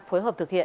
phối hợp thực hiện